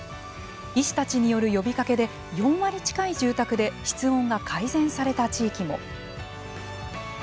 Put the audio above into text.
医師たちによる呼びかけで４割近い住宅で室温が改善された地域も。